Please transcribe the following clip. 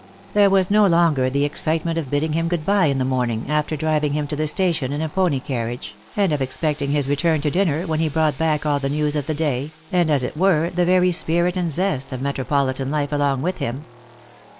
There was no longer the excitement of bidding him good bye in the morning after driving him to the station in a pony carriage, and of ex pecting his return to dinner, when he brought back all the news of the day, and, as it were, the very spirit and zest of metro politan life along with him.